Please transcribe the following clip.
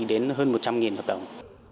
đến hơn một trăm linh hợp đồng